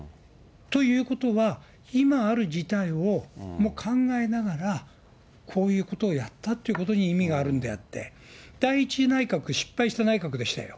ということは、今ある事態をもう考えながら、こういうことをやったっていうことに意味があるんであって、第１次内閣、失敗した内閣でしたよ。